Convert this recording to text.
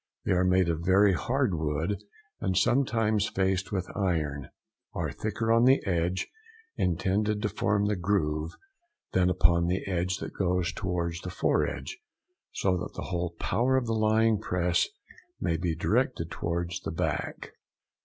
They are made of very hard wood, and sometimes faced with iron; are thicker on the edge intended to form the groove than upon the edge that goes towards the foredge, so that the whole power of the lying press may be directed towards the back.